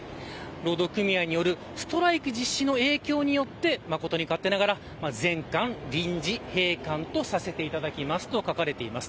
労働組合によるストライキ実施の影響によって誠に勝手ながら全館臨時閉館とさせていただきますと書かれています。